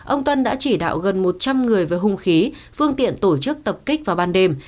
ông tuân đã chỉ đạo gần một trăm linh người với hung khí phương tiện tổ chức tập kích vào ban đêm